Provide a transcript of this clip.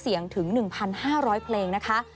เสียงถึง๑๕๐๐เพลงนะคะ